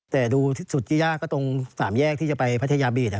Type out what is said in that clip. แต่ดูสุดที่ยากก็ตรง๓แยกที่จะไปพัทยาบีท